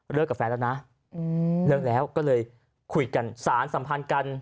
กับแฟนแล้วนะเลิกแล้วก็เลยคุยกันสารสัมพันธ์กัน